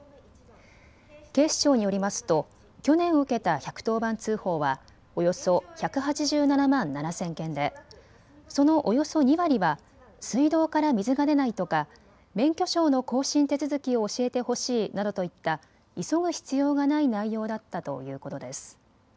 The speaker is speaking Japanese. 警視庁によりますと去年受けた１１０番通報はおよそ１８７万７０００件でそのおよそ２割は水道から水が出ないとか免許証の更新手続きを教えてほしいなどといった急ぐ必要がない内容だったということです。